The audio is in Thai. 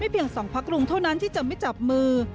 เพียง๒พักรุงเท่านั้นที่จะไม่จับมือ